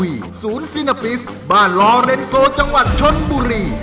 ศูนย์ซีนาปิสบ้านลอเรนโซจังหวัดชนบุรี